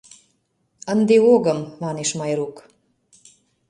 — Ынде огым, — манеш Майрук.